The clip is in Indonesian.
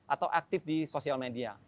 atau aktif di sosial media